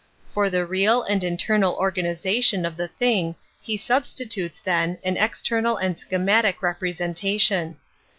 For the real and internal organi zation of the thing he substitutes, then, an external and schematic representation.